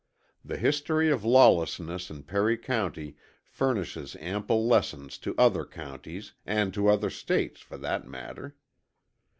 The history of lawlessness in Perry County furnishes ample lessons to other counties, and to other states, for that matter.